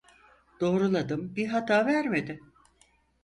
Doğruladım bi hata vermedi